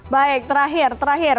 baik terakhir terakhir